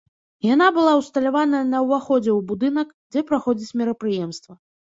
Яна была ўсталяваная на ўваходзе ў будынак, дзе праходзіць мерапрыемства.